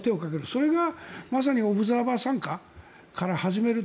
それがまさにオブザーバー参加から始める。